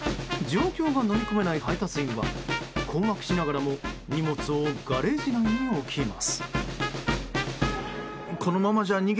状況がのみ込めない配達員は困惑しながらも荷物をガレージ内に置きます。